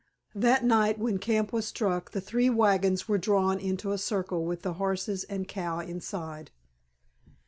That night when camp was struck the three wagons were drawn into a circle with the horses and cow inside.